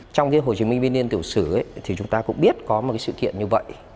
trong cái hồ chí minh viên liên tiểu sử thì chúng ta cũng biết có một sự kiện như vậy